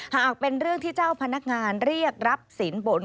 หากเป็นเรื่องที่เจ้าพนักงานเรียกรับสินบน